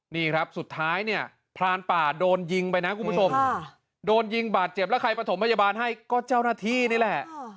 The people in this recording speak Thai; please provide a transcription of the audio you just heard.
นี่ครับสุดท้ายเนี่ยพรานป่าโดนยิงไปนะคุณผู้ชมโดนยิงบาดเจ็บแล้วใครประถมพยาบาลให้ก็เจ้าหน้าที่นี่แหละ